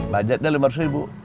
budgetnya lima ratus ribu